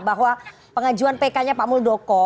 bahwa pengajuan pk nya pak muldoko